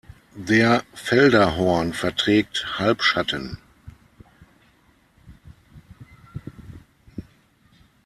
Der Feldahorn verträgt Halbschatten.